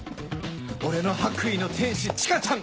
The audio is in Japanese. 俺の白衣の天使千佳ちゃん！